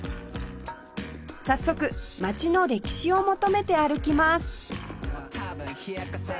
早速街の歴史を求めて歩きます